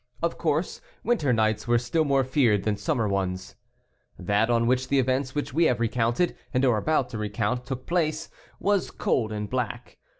Of course, winter nights were still more feared than summer ones. That on which the events which we have recounted, and are about to recount took place, was cold and black.